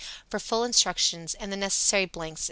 for full instructions and the necessary blanks.